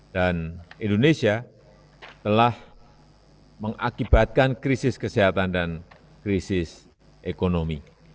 dan indonesia telah mengakibatkan krisis kesehatan dan krisis ekonomi